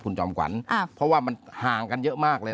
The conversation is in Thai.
คุณจำกวันอ่าเพราะว่ามันห่างกันเยอะมากเลยนะครับ